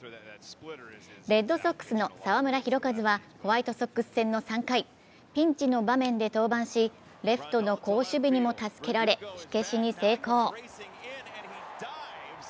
レッドソックスの澤村拓一はホワイトソックス戦の３回ピンチの場面で登板し、レフトの好守備にも助けられ、火消しに成功。